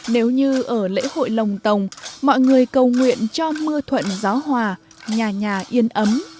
nếu như ở lễ hội lồng tồng mọi người cầu nguyện cho mưa thuận gió hòa nhà nhà yên ấm